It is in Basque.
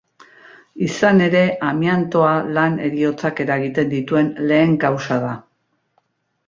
Izan ere, amiantoa lan heriotzak eragiten dituen lehen kausa da.